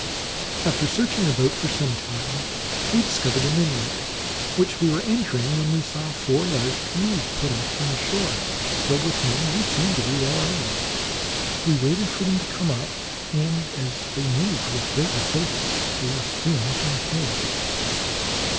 After searching about for some time, we discovered an inlet, which we were entering, when we saw four large canoes put off from the shore, filled with men who seemed to be well armed. We waited for them to come up, and, as they moved with great rapidity, they were soon within hail.